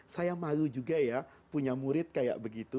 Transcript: saya malu juga ya punya murid kayak begitu